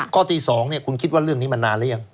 ข้อที่๒คุณคิดว่าเรื่องนี้มันนานหรือยัง